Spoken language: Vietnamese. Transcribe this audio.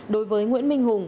đối với nguyễn minh hùng